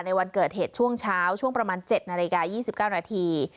ในวันเกิดเหตุช่วงเช้าช่วงประมาณเจ็ดนาฬิกายี่สิบเก้าระที